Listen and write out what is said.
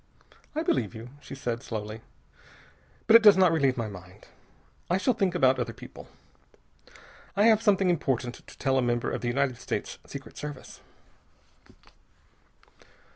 "I believe you," she said slowly, "but it does not relieve my mind. I shall think about other people. I have something important to tell a member of the United States Secret Service."